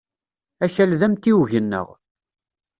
Akal d amtiweg-nneɣ.